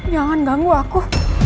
jangan ganggu aku